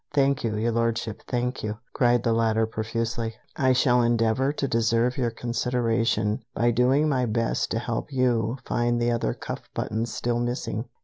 "Thank you, Your Lordship, thank you!" cried the latter profusely, "I shall endeavor to deserve your consideration by doing my best to help you find the other cuff buttons still missing."